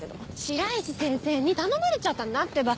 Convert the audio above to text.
白石先生に頼まれちゃったんだってば。